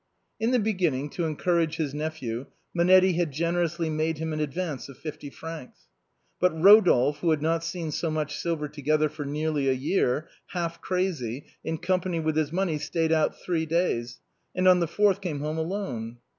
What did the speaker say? In the beginning, to encourage his nephew, Monetti had generously made him an advance of fifty francs. But Eo dolphe, who had not seen so much silver together for nearly a year, went out, half crazy, in company with his money, staid out three daj's, and on the fourth came home alone!